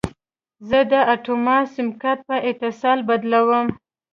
زه د اټوما سیم کارت په اتصالات بدلوم.